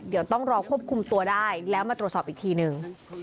เดี๋ยวต้องรอควบคุมตัวได้แล้วมาตรวจสอบอีกทีนึง